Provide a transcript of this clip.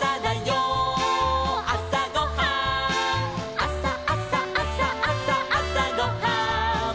「あさあさあさあさあさごはん」